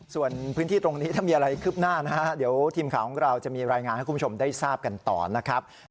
ส่วนพื้นที่ตรงนี้ถ้ามีอะไรคืบหน้านะฮะเดี๋ยวทีมข่าวของเราจะมีรายงานให้คุณผู้ชมได้ทราบกันต่อนะครับ